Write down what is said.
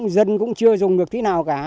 dân cũng chưa dùng được thế nào cả